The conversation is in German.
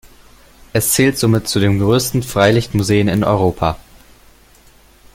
Es zählt somit zu den größten Freilichtmuseen in Europa.